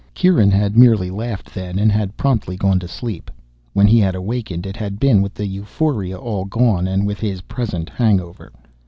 Kieran had merely laughed then, and had promptly gone to sleep. When he had awakened, it had been with the euphoria all gone and with his present hangover.